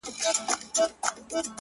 • جهاني زما په قسمت نه وو دا ساعت لیکلی,